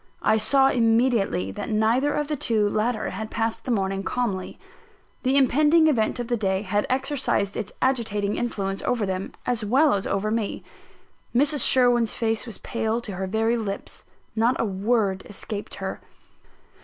I saw immediately that neither of the two latter had passed the morning calmly. The impending event of the day had exercised its agitating influence over them, as well as over me. Mrs. Sherwin's face was pale to her very lips: not a word escaped her.